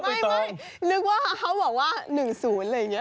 ไม่นึกว่าเขาบอกว่า๑๐อะไรอย่างนี้